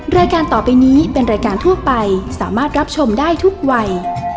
รายการต่อไปนี้เป็นรายการทั่วไปสามารถรับชมได้ทุกวัย